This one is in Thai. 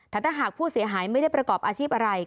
แต่ถ้าหากผู้เสียหายไม่ได้ประกอบอาชีพอะไร